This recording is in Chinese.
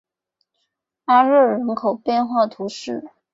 阿热人口变化图示